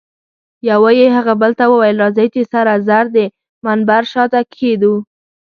یوه یې هغه بل ته وویل: راځئ چي سره زر د منبر شاته کښېږدو.